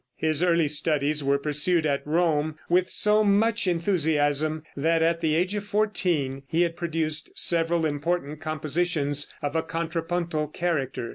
His early studies were pursued at Rome with so much enthusiasm that at the age of fourteen he had produced several important compositions of a contrapuntal character.